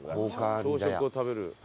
朝食を食べる。